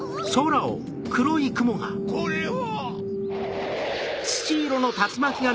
これは！